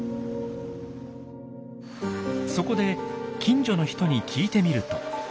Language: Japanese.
そこで近所の人に聞いてみると。